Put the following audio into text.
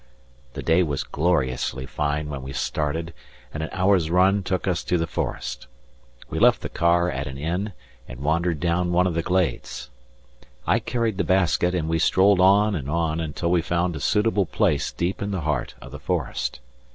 The day was gloriously fine when we started, and an hour's run took us to the forest. We left the car at an inn and wandered down one of the glades. I carried the basket and we strolled on and on until we found a suitable place deep in the heart of the forest.